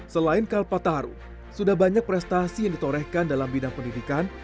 selain kalpataharu sudah banyak prestasi yang ditorehkan dalam bidang pendidikan